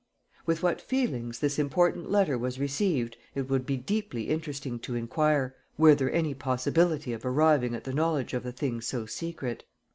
With what feelings this important letter was received it would be deeply interesting to inquire, were there any possibility of arriving at the knowledge of a thing so secret.